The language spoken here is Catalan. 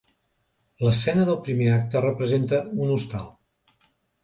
L'escena del primer acte representa un hostal.